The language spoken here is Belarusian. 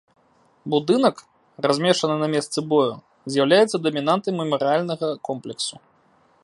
Будынак, размешаны на месцы бою, з'яўляецца дамінантай мемарыяльнага комплексу.